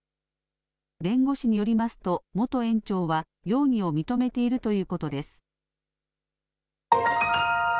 弁護士によりますと元園長は容疑を認めているということです。